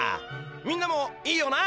みんなもいいよな？